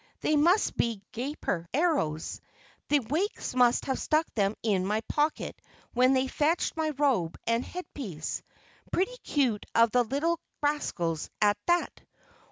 "They must be Gaper Arrows the Wakes must have stuck them in my pocket when they fetched my robe and head piece. Pretty cute of the little rascals, at that.